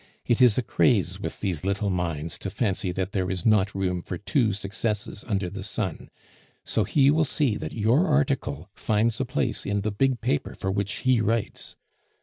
It is a craze with these little minds to fancy that there is not room for two successes under the sun; so he will see that your article finds a place in the big paper for which he writes."